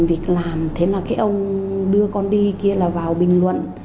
việc làm thế là cái ông đưa con đi kia là vào bình luận